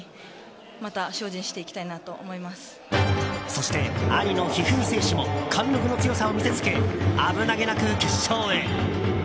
そして兄の一二三選手も貫録の強さを見せつけ危なげなく決勝へ。